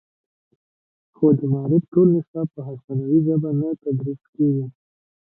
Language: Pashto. خو د معارف ټول نصاب په هسپانوي ژبه نه تدریس کیږي